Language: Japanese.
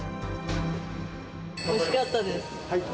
おいしかったです。